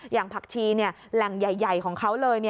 อย่างผักชีแหล่งใหญ่ของเขาเลย